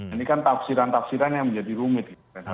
ini kan tafsiran tafsiran yang menjadi rumit